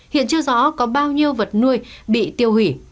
hiện chưa rõ có bao nhiêu vật nuôi bị tiêu hủy